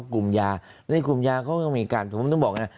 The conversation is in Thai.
กลุ่มยาในกลุ่มยาเขาก็มีการผมต้องบอกนะ